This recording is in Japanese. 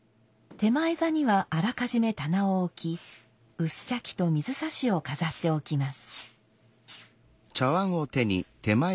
点前座にはあらかじめ棚を置き薄茶器と水指を飾っておきます。